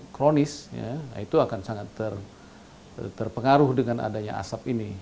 kronis itu akan sangat terpengaruh dengan adanya asap ini